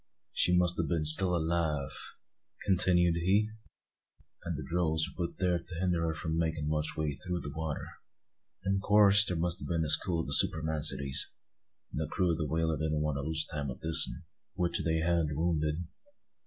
"She must a' been still alive," continued he, "and the drogues were put thear to hinder her from makin' much way through the water. In coorse there must a' been a school o' the spermacetys; and the crew o' the whaler didn't want to lose time with this 'un, which they had wounded.